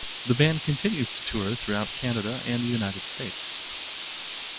The band continues to tour throughout Canada and the United States.